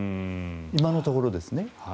今のところですね。